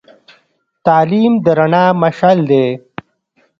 تعلیم د رڼا مشعل دی.